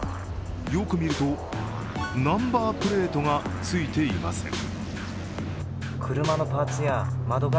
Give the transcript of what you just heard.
よく見ると、ナンバープレートがついていません。